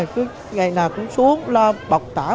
cứ ngày nào cũng xuống lo bọc tàu